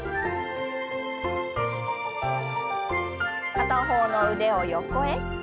片方の腕を横へ。